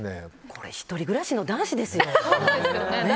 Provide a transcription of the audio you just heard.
１人暮らしの男子ですよ。